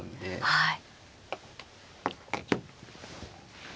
はい。